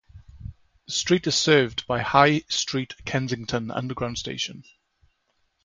The street is served by High Street Kensington underground station.